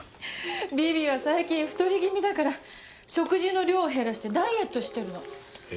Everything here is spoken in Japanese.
ビビは最近太り気味だから食事の量を減らしてダイエットしてるの。